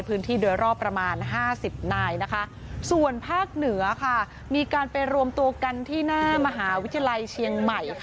พื้นที่โดยรอบประมาณ๕๐นายนะคะส่วนภาคเหนือค่ะมีการไปรวมตัวกันที่หน้ามหาวิทยาลัยเชียงใหม่